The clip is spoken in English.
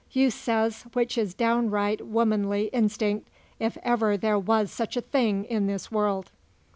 you says, which it's downright womanly instink, if ever there was such a thing in this world."